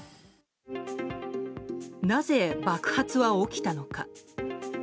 なぜ爆発は起きたのか。